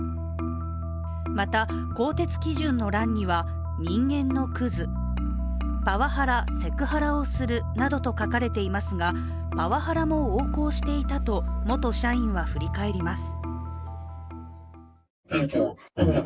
また更迭基準の欄には人間のクズ、パワハラ・セクハラをするなどと書かれていますがパワハラも横行していたと元社員は振り返ります。